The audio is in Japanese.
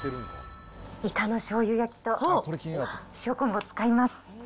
イカのしょうゆ焼きと、塩昆布を使います。